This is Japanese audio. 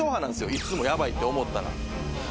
いつもヤバいって思ったら。